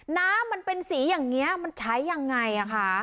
น้ำมันเป็นสีอย่างนี้มันใช้ยังไงคะ